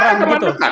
tidak ada kemandekan